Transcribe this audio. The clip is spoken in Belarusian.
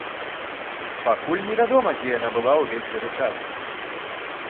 Пакуль невядома, дзе яна была ўвесь гэты час.